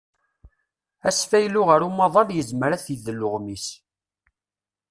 Asfaylu ar umaḍal yezmer ad t-idel uɣmis.